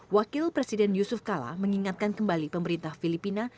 wakil presiden yusuf kala mengingatkan kembali pemerintah filipina